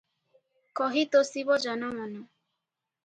କହି ତୋଷିବ ଜନମନ ।